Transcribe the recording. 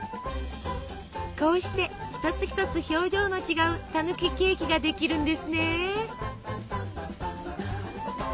こうして一つ一つ表情の違うたぬきケーキができるんですね。